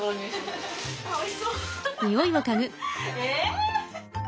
え！